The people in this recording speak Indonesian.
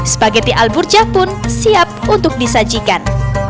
spaghetti al burjah pun siap untuk disajikan